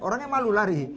orangnya malu lari